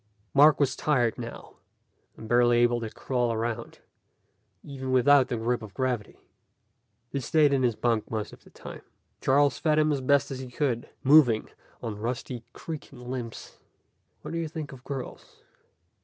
Mark was tired now, and barely able to crawl around, even without the grip of gravity. He stayed in his bunk most of the time. Charles fed him as best he could, moving on rusty, creaking limbs. "What do you think of girls?"